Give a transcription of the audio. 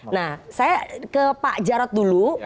nah saya ke pak jarod dulu